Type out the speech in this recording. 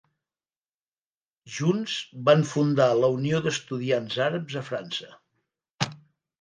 Junts van fundar la Unió d'Estudiants Àrabs a França.